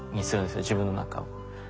自分の中を。